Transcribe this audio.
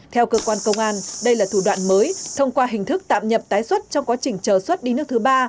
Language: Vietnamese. theo cơ quan công an đây là thủ đoạn mới thông qua hình thức tạm nhập tái xuất trong quá trình chờ xuất đi nước thứ ba